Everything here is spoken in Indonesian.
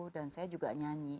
dan saya juga nyanyi